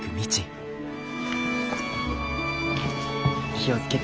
気を付けて。